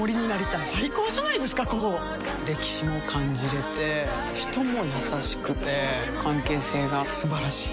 歴史も感じれて人も優しくて関係性が素晴らしい。